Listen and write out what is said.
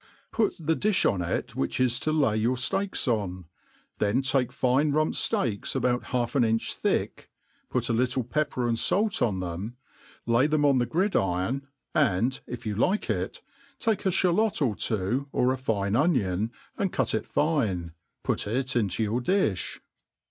Put the difii on it which is to Hy your fteaks on, then take fine rump fteaks ahout half an inch thick; put a little pepper and fait on them, lay them oh the g^ridiron, and f if you like it) take a fhalot or two, or a fine onion and cut it fine 3 put it into your di(h.